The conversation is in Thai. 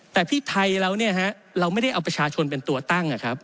แต่พี่ไทยเราไม่ได้เอาประชาชนเป็นตัวตั้ง